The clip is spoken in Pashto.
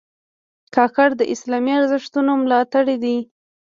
کاکړ د اسلامي ارزښتونو ملاتړي دي.